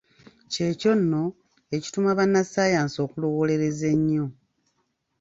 Ky’ekyo nno ekituma bannassaayansi okulowoolereza ennyo.